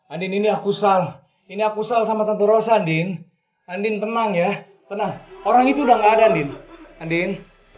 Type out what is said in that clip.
andin ini aku sal ini aku sal sama tante rosandin andin andin tenang ya tenang orang itu udah gak ada andin